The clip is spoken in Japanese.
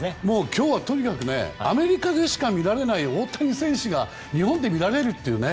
今日はとにかくアメリカでしか見られない大谷選手が日本で見られるというね。